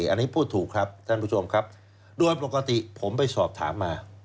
อันนี้พูดถูกครับท่านผู้ชมครับโดยปกติผมไปสอบถามมา